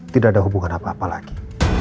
tidak ada hubungan apa apa lagi